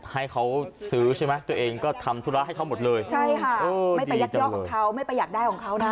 ให้เขาซื้อใช่มั้ยตัวเองก็ทำธุระให้เขาหมดเลยใช่ค่ะไม่ประหยัดได้ของเขานะ